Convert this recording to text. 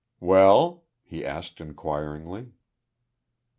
"Well?" he asked, inquiringly.